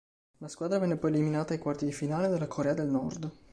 La squadra venne poi eliminata ai quarti di finale dalla Corea del Nord.